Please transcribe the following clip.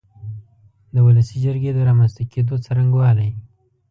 د ولسي جرګې د رامنځ ته کېدو څرنګوالی